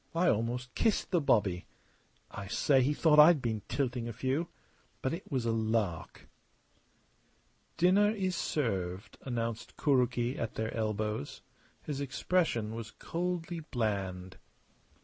I almost kissed the bobby. I say, he thought I'd been tilting a few. But it was a lark!" "Dinner is served," announced Kuroki at their elbows. His expression was coldly bland.